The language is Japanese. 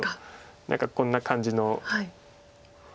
何かこんな感じの。